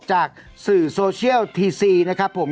จากสื่อโซเชียลทีซีนะครับผม